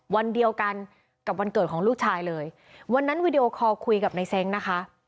วันเดียวกันกับวันเกิดของลูกชายเลยวันนั้นวีดีโอคอลคุยกับในเซ้งนะคะ